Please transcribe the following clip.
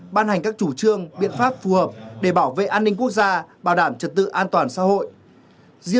ban hành các chủ trương biện pháp phù hợp để bảo vệ an ninh quốc gia bảo đảm trật tự an toàn xã hội